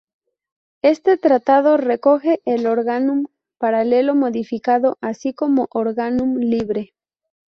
Este tratado recoge el organum paralelo modificado así como organum libre.